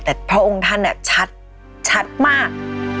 แต่พระองค์ท่านชัดมาก